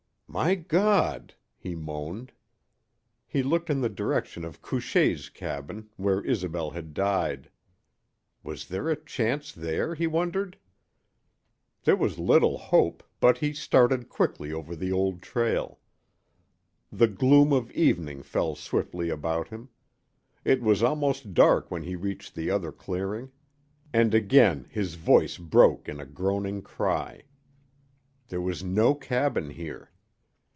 "My God!" he moaned. He looked in the direction of Couchée's cabin, where Isobel had died. Was there a chance there, he wondered? There was little hope, but he started quickly over the old trail. The gloom of evening fell swiftly about him. It was almost dark when he reached the other clearing. And again his voice broke in a groaning cry. There was no cabin here.